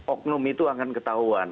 oknum itu akan ketahuan